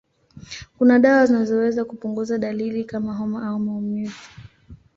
Kuna dawa zinazoweza kupunguza dalili kama homa au maumivu.